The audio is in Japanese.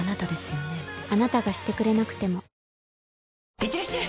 いってらっしゃい！